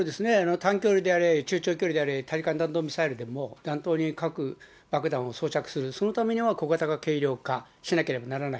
短距離であれ、中長距離であれ、大陸間弾道ミサイルでも、弾頭に核爆弾を装着する、そのためには小型化、軽量化、しなければならない。